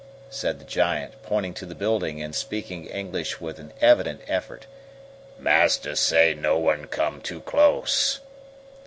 said the giant, pointing to the building and speaking English with an evident effort. "Master say no one come too close."